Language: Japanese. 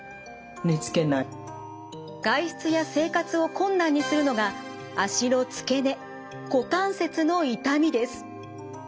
外出や生活を困難にするのが脚の付け根股関節の痛みです。